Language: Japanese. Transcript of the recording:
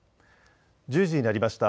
１０時になりました。